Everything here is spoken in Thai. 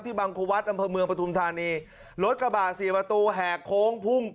บังคุวัฒน์อำเภอเมืองปฐุมธานีรถกระบาดสี่ประตูแหกโค้งพุ่ง